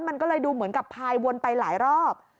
มันก็เลยดูเหมือนกับพายวนไปหลายรอบ